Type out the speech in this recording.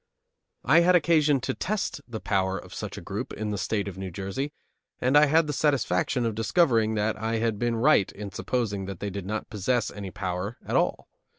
I had occasion to test the power of such a group in the State of New Jersey, and I had the satisfaction of discovering that I had been right in supposing that they did not possess any power at all.